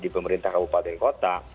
di pemerintah kabupaten kota